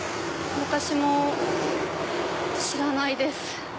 私も知らないです。